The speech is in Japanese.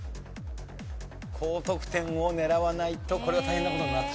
高得点を狙わないとこれは大変な事になってしまいますね。